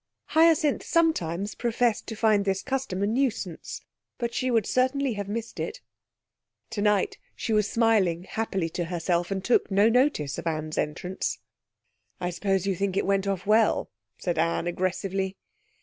Hyacinth sometimes professed to find this custom a nuisance, but she would certainly have missed it. Tonight she was smiling happily to herself, and took no notice of Anne's entrance. 'I suppose you think it went off well,' said Anne aggressively.